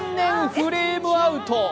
フレームアウト！